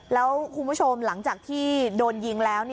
แล้วคุณผู้ชมหลังจากที่โดนยิงแล้ว